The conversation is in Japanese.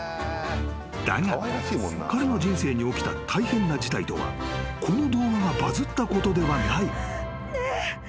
［だが彼の人生に起きた大変な事態とはこの動画がバズったことではない］